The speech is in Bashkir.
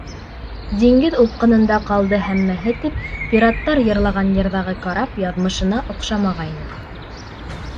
Диңгеҙ упҡынында ҡалды һәммәһе, — тип, пираттар йырлаған йырҙағы карап яҙмышына оҡшамағайны.